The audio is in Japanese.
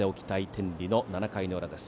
天理の７回の裏。